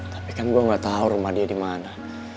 tapi kan gua gak tau rumah dia di mana